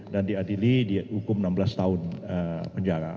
dan diadili dihukum enam belas tahun penjara